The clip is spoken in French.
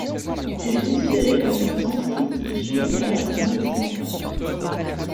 Elle est considérée comme la plus ancienne institution littéraire du monde occidental.